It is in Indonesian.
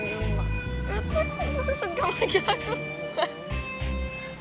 kamu ngerasa engkau manggil aku